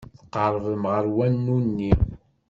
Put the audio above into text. Tqerrbem ɣer wanu-nni.